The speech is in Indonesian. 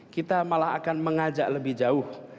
kita malah akan mengajak lebih jauh